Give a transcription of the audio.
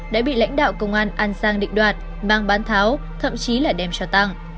đã bị lãnh đạo công an an giang định đoạt mang bán tháo thậm chí là đem cho tăng